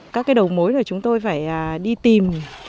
các cái đầu mối là chúng tôi phải đi tìm